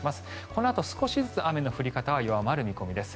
このあと少しずつ雨の降り方は弱まる見込みです。